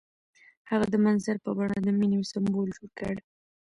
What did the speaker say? هغه د منظر په بڼه د مینې سمبول جوړ کړ.